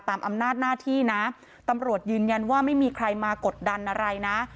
อำนาจหน้าที่นะตำรวจยืนยันว่าไม่มีใครมากดดันอะไรนะ